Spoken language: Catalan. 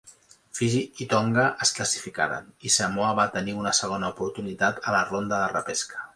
Fiji i Tonga es classificaren, i Samoa va tenir una segona oportunitat a la ronda de repesca.